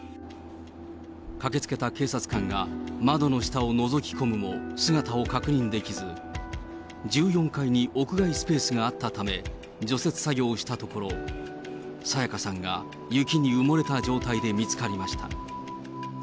駆けつけた警察官が、窓の下をのぞき込むも姿を確認できず、１４階に屋外スペースがあったため、除雪作業をしたところ、沙也加さんが雪に埋もれた状態で見つかりました。